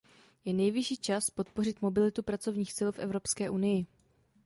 Je nejvyšší čas podpořit mobilitu pracovních sil v Evropské unii.